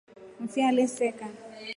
Ni fi aliseka.